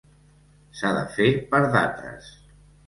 S'ha de fer per dates.